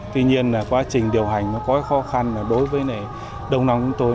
tuy nhiên quá trình điều hành có khó khăn đối với đông long chúng tôi